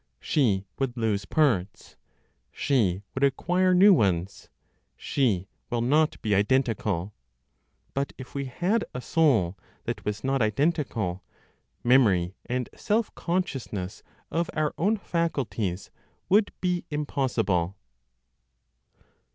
She would lose parts, she would acquire new ones; she will not be identical. But if we had a soul that was not identical, memory and self consciousness of our own faculties would be impossible.